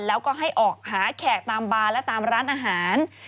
แล้วก็ให้ออกหาแขกตามบาร์และตามร้านอาหาร